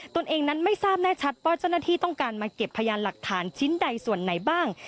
ตัวเองนั้นไม่ทราบแน่ชัดว่าเจ้าหน้าที่ต้องการมาเก็บพยานหลักฐานชิ้นใดส่วนไหนบ้าง